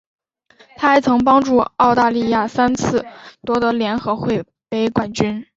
她还曾帮助澳大利亚三次夺得联合会杯冠军。